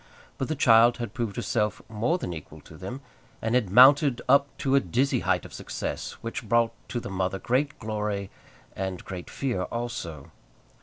But the child had proved herself more than equal to them, and had mounted up to a dizzy height of success, which brought to the mother great glory and great fear also.